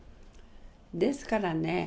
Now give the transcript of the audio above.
ですからね